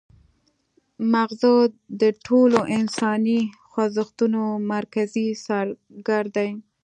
مغزه د ټولو انساني خوځښتونو مرکزي څارګر دي